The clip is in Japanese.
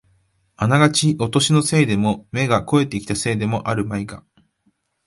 あながちお年のせいでも、目が肥えてきたせいでもあるまいが、